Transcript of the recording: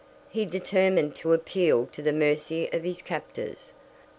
He determined to appeal to the mercy of his captors.